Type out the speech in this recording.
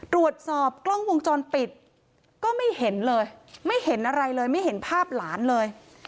ตรวจสอบกล้องวงจรปิดก็ไม่เห็นเลยไม่เห็นอะไรเลยไม่เห็นภาพหลานเลย